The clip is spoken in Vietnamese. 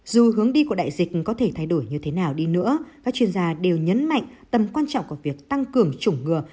dù hướng đi của đại dịch có thể thay đổi như thế nào đi nữa các chuyên gia đều nhấn mạnh tầm quan trọng của việc tăng cường chủng ngừa